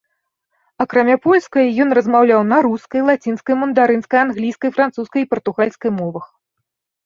Акрамя польскай, ён размаўляў на рускай, лацінскай, мандарынскай, англійскай, французскай і партугальскай мовах.